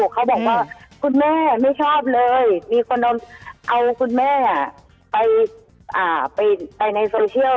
เขาบอกว่าคุณแม่ไม่ชอบเลยมีคนเอาคุณแม่ไปในโซเชียล